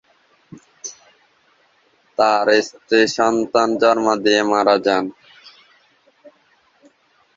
তাঁর স্ত্রী সন্তান জন্ম দিয়ে মারা যান।